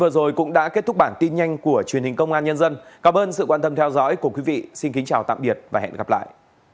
xin chào tạm biệt và hẹn gặp lại